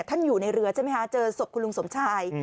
อยู่ในเรือใช่ไหมคะเจอศพคุณลุงสมชาย